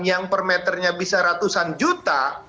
yang per meternya bisa ratusan juta